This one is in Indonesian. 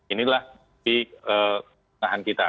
inilah kelengahan kita